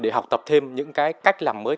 để học tập thêm những cái cách làm mới